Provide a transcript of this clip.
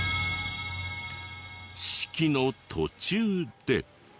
式の途中で。